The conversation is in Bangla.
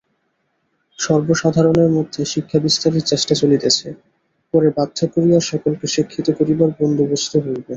সর্বসাধারণের মধ্যে শিক্ষা-বিস্তারের চেষ্টা চলিতেছে, পরে বাধ্য করিয়া সকলকে শিক্ষিত করিবার বন্দোবস্ত হইবে।